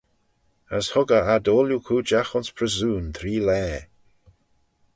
As hug eh ad ooilley cooidjagh ayns pryssoon three laa.